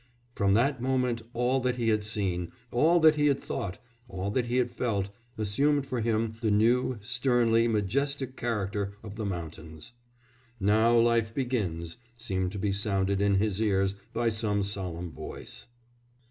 From that moment all that he had seen, all that he had thought, all that he had felt, assumed for him the new, sternly majestic character of the mountains.... 'Now life begins,' seemed to be sounded in his ears by some solemn voice."